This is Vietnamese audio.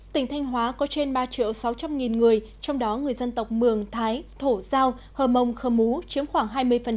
tỉnh thanh hóa có trên ba triệu sáu trăm linh người trong đó người dân tộc mường thái thổ giao hờ mông khơ mú chiếm khoảng hai mươi